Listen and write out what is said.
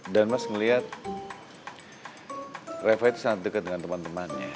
dan mas ngelihat reva itu sangat dekat dengan temen temennya